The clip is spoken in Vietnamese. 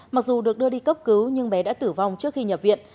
mặc dù được đưa đi cấp cứu nhưng bé đã tử vong trước khi nhập viện